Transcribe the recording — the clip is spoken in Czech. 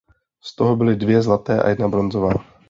Z toho byly dvě zlaté a jedna bronzová.